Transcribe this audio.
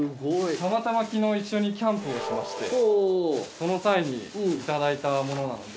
たまたま昨日一緒にキャンプをしましてその際にいただいたものなんで。